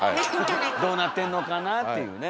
どうなってんのかなっていうね。